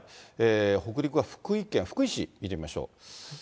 北陸は福井県、福井市見てみましょう。